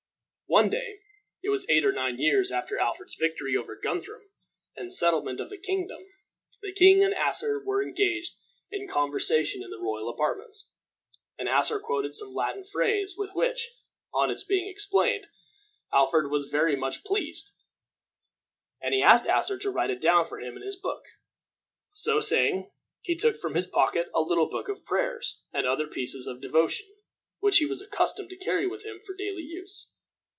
One day it was eight or nine years after Alfred's victory over Guthrum and settlement of the kingdom the king and Asser were engaged in conversation in the royal apartments, and Asser quoted some Latin phrase with which, on its being explained, Alfred was very much pleased, and he asked Asser to write it down for him in his book. So saying, he took from his pocket a little book of prayers and other pieces of devotion, which he was accustomed to carry with him for daily use.